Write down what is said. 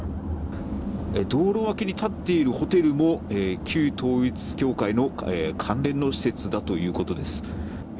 道路脇に建っているホテルも旧統一教会の関連の施設だということです。